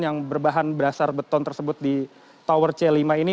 yang berbahan dasar beton tersebut di tower c lima ini